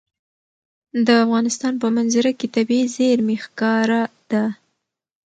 د افغانستان په منظره کې طبیعي زیرمې ښکاره ده.